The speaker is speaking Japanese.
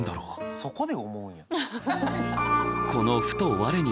そこで思うんや。